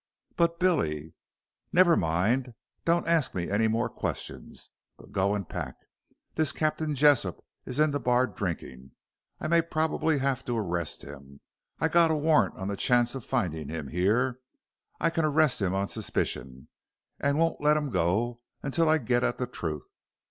"But, Billy " "Never mind. Don't ask me any more questions, but go and pack. This Captain Jessop is in the bar drinking. I may probably have to arrest him. I got a warrant on the chance of finding him here. I can arrest him on suspicion, and won't let him go until I get at the truth.